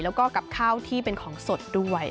แล้วก็กับข้าวที่เป็นของสดด้วย